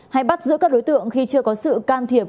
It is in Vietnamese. hay bắt giữ các đối tượng khi chưa có sự can thiệp